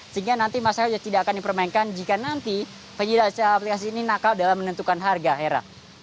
sehingga nanti masalahnya tidak akan dipermainkan jika nanti penyedia aplikasi ini nakal dalam menentukan harga hera